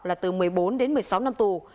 là từ một mươi bốn đến một mươi sáu năm tù